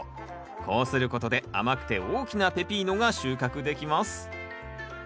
こうすることで甘くて大きなペピーノが収穫できます。